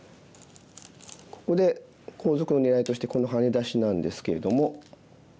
ここで後続の狙いとしてこのハネ出しなんですけれども。